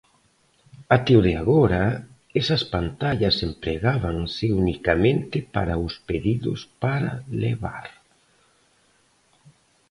Até o de agora esas pantallas empregábanse unicamente para os pedidos para levar.